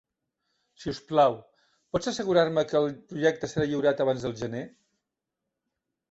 Si us plau, pots assegurar-me que el projecte serà lliurat abans del gener?